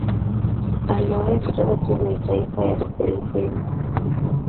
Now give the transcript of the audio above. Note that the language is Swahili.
Aliwahi kucheza timu ya taifa ya Ufilipino.